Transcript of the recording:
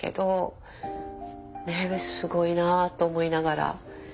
ねえすごいなあと思いながら。